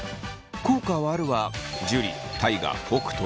「効果はある」は樹大我北斗。